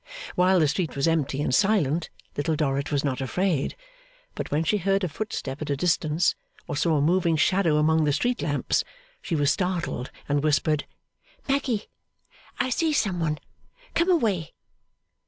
While the street was empty and silent, Little Dorrit was not afraid; but when she heard a footstep at a distance, or saw a moving shadow among the street lamps, she was startled, and whispered, 'Maggy, I see some one. Come away!